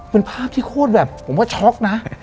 เป็นภาพที่โคตรแบบผมว่าช็อกนะ